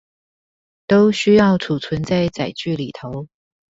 都需要儲存在載具裏頭